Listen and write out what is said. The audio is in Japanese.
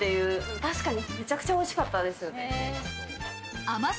確かに、むちゃくちゃおいしかったです。